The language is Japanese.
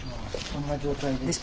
こんな状態です。